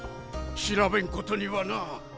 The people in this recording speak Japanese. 調べんことにはな。